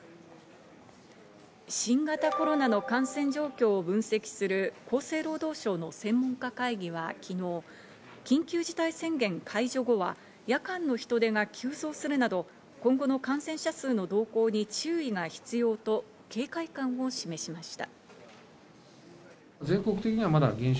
新型コロナの感染状況を分析する厚生労働省の専門家会議は昨日、緊急事態宣言解除後は夜間の人出が急増するなど今後の感染者数の動向に注意が必要と警戒感を示しました。